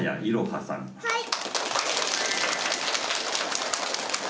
はい！